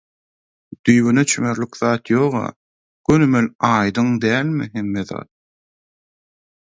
Düýbüne çümerlik zat ýog-a, gönümel, a:ýdyň dälmi hemme zat?